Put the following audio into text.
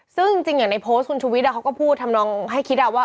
ซึ่งจริงจริงอย่างในโพสต์คุณชูวิทโพสต์เขาก็พูดทำนองให้คิดอ่ะว่า